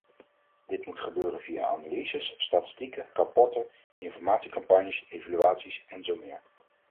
Dit moet gebeuren via analyses, statistieken, rapporten, informatiecampagnes, evaluaties en zo meer.